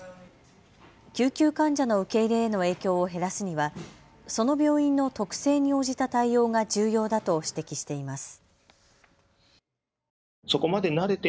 救急患者の受け入れへの影響を減らすにはその病院の特性に応じた対応が重要だと指摘しています。